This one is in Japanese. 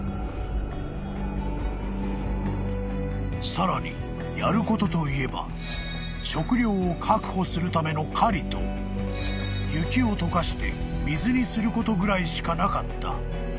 ［さらにやることといえば食料を確保するための狩りと雪を溶かして水にすることぐらいしかなかった］